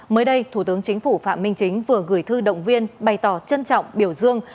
mới đây thủ tướng chính phủ phạm minh chính vừa gửi thư động viên bày tỏ trân trọng biểu dương